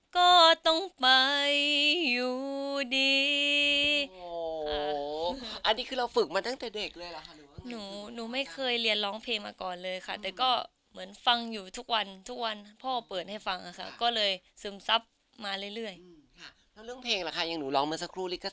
ก็ต้องไปอยู่ดี